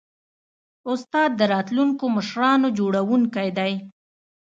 استاد د راتلونکو مشرانو جوړوونکی دی.